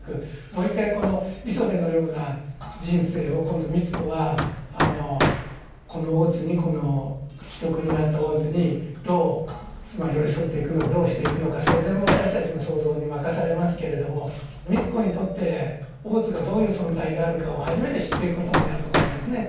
もう一回この磯辺のような人生を今度美津子はこの大津にこの危篤になった大津にどう寄り添っていくのかどうしていくのかそれは全部私たちの想像に任されますけれども美津子にとって大津がどういう存在であるかを初めて知っていくことになるかも分かんないですね。